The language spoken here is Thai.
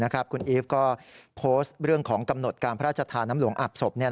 คุณอีฟก็โพสต์เรื่องของกำหนดการพระราชทานน้ำหลวงอาบศพ